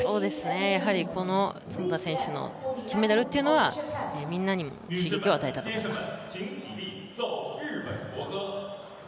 この角田選手の金メダルというのはみんなに刺激を与えたと思います。